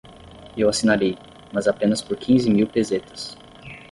Eu assinarei, mas apenas por quinze mil pesetas.